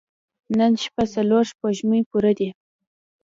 نن شپه څلور سپوږمۍ پوره دي.